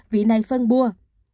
vị này phân bua